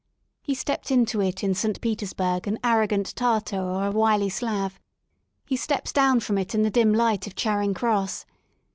He stepped into it in St. Petersburg an arrogant Tartar or a wily Slav; he steps down from it in the dim light of Charing Cross.